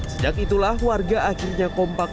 sejak itulah warga akhirnya kompak